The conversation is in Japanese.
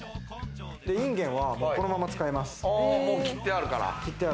インゲンは、このまま使います。